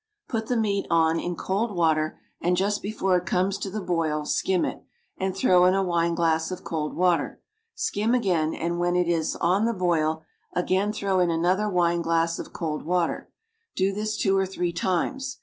Put the meat on in cold water, and just before it comes to the boil skim it, and throw in a wineglass of cold water, skim again, and, when it is "on the boil," again throw in another wineglass of cold water; do this two or three times.